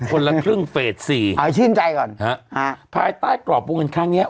คนละครึ่งเฟสสี่อ๋อชื่นใจก่อนฮะฮะภายใต้กรอบวงเงินครั้งเนี้ย